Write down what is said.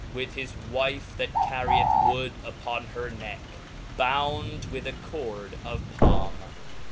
with his wite that tarrietn ;„ f,i,i,oms wood upon her neck, bound with a cord of Palme.